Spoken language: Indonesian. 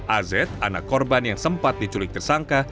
az anak korban yang sempat diculik tersangka